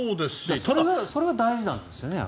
それが大事なんですね。